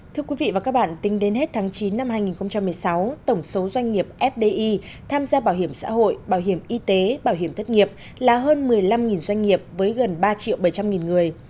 thưa quý vị và các bạn tính đến hết tháng chín năm hai nghìn một mươi sáu tổng số doanh nghiệp fdi tham gia bảo hiểm xã hội bảo hiểm y tế bảo hiểm thất nghiệp là hơn một mươi năm doanh nghiệp với gần ba triệu bảy trăm linh người